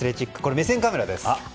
目線カメラです。